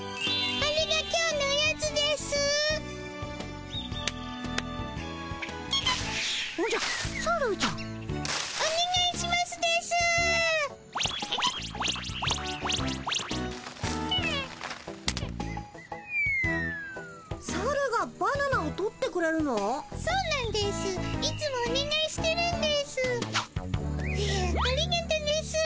ありがとうですぅ。